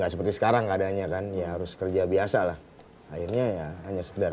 seperti sekarang keadaannya kan ya harus kerja biasa lah akhirnya ya hanya sekedar